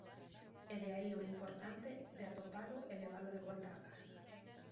E de aí o importante de atopalo e levalo de volta á casa.